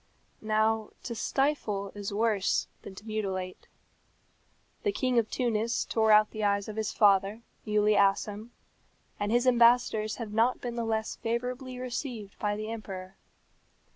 Now to stifle is worse than to mutilate. The King of Tunis tore out the eyes of his father, Muley Assem, and his ambassadors have not been the less favourably received by the emperor.